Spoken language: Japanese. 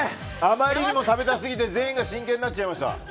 あまりにも食べた過ぎて全員が真剣になっちゃいました。